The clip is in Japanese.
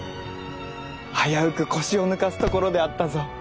危うく腰を抜かすところであったぞ。